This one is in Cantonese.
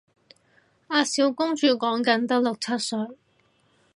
阿小公主講緊得六七歲